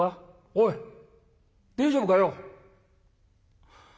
おい大丈夫かよ」。